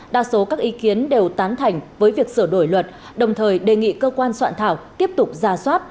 đa số các ý kiến đều tán thành với việc sửa đổi luật đồng thời đề nghị cơ quan soạn thảo tiếp tục ra soát